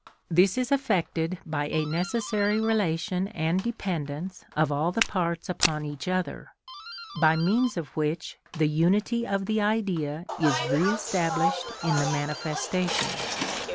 This is effected by a necessary relation and dependence of all the parts upon each other, by means of which the unity of the Idea is re established in the manifestation.